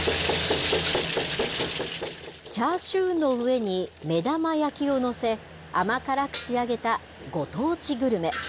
チャーシューの上に目玉焼きを載せ、甘辛く仕上げたご当地グルメ。